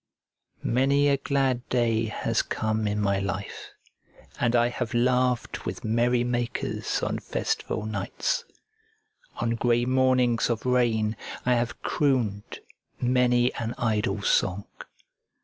Many a glad day has come in my life, and I have laughed with merrymakers on festival nights. On grey mornings of rain I have crooned many an idle song.